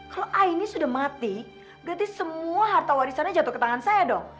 kalau a ini sudah mati berarti semua harta warisannya jatuh ke tangan saya dong